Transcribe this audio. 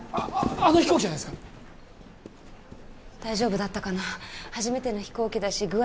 あの飛行機じゃないですか大丈夫だったかな初めての飛行機だし具合